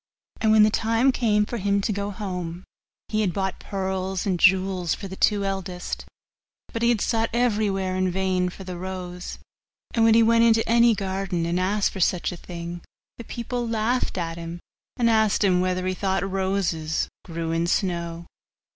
And when the time came for him to go home, he had bought pearls and jewels for the two eldest, but he had sought everywhere in vain for the rose; and when he went into any garden and asked for such a thing, the people laughed at him, and asked him whether he thought roses grew in snow.